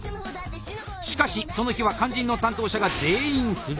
しかしその日は肝心の担当者が全員不在。